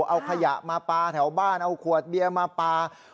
เอาขยะมาปลาแถวบ้านเอาขวดเบียร์มาปลา